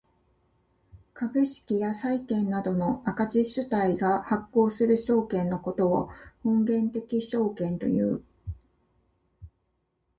株式や債券などの赤字主体が発行する証券のことを本源的証券という。